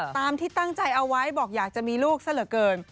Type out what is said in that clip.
ตามที่ตั้งใจเอาไว้บอกอยากจะมีลูกซะเหลือเกิน